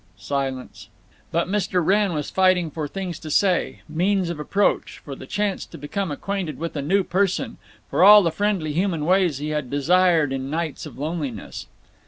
Silence. But Mr. Wrenn was fighting for things to say, means of approach, for the chance to become acquainted with a new person, for all the friendly human ways he had desired in nights of loneliness.